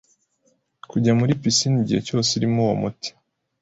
kujya muri 'piscine' igihe cyose irimo uwo muti.